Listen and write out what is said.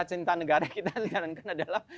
cenita negara kita kita rencanakan adalah